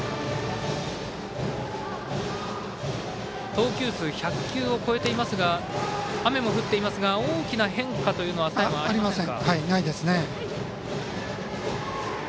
投球数１００球を超えていますが雨も降っていますが大きな変化というのは佐山はありません。